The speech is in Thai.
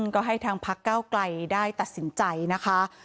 ก็ให้ทางพักเก้าไกลได้ตัดสินใจนะคะ